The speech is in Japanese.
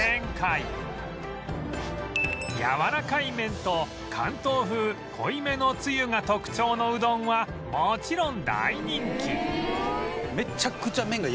やわらかい麺と関東風濃いめのつゆが特徴のうどんはもちろん大人気